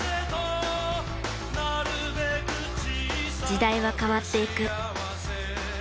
時代は変わっていく。